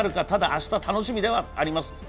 ただ明日、楽しみではあります。